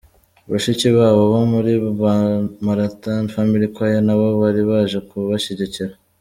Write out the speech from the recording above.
Bashiki babo bo muri Maranatha Family Choir nabo bari baje kubashyigikira.